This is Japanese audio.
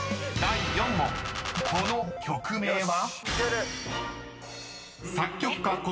［この曲名は？］